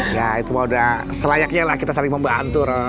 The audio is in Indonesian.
ya itu udah selayaknya lah kita saling membantu ron